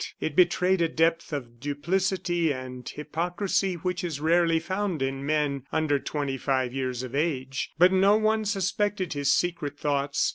It betrayed a depth of duplicity and hypocrisy which is rarely found in men under twenty five years of age. But no one suspected his secret thoughts.